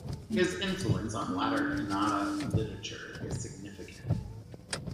His influence on later Kannada literature is significant.